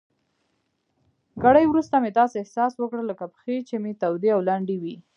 ګړی وروسته مې داسې احساس وکړل لکه پښې چي مې تودې او لندې وي.